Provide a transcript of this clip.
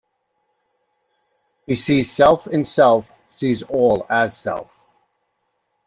He sees self in Self, sees all as Self.